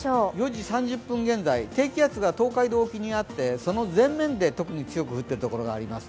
４時３０分現在、低気圧が東海道沖であってその前面で特に降っているところがあります。